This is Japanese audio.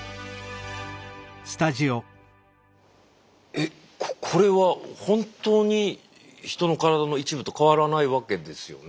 えっここれは本当にヒトの体の一部と変わらないわけですよね。